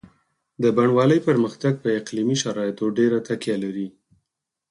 د بڼوالۍ پرمختګ په اقلیمي شرایطو ډېره تکیه لري.